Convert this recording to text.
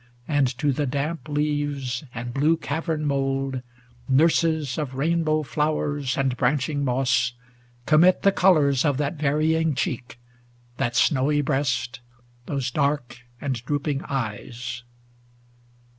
And to the damp leaves and blue cavern mould. Nurses of rainbow flowers and branching moss, Commit the colors of that varying cheek, 600 That snowy breast, those dark and droop ing eyes.